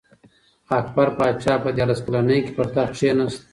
اکبر پاچا په دیارلس کلنۍ کي پر تخت کښېناست.